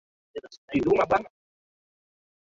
siku yao naitwa nurdin selumani